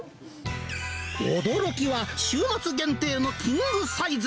驚きは、週末限定のキングサイズ。